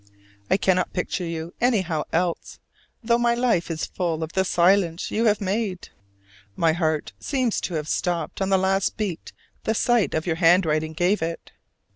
I cannot picture you anyhow else, though my life is full of the silence you have made. My heart seems to have stopped on the last beat the sight of your handwriting gave it.